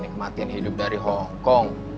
kematian hidup dari hongkong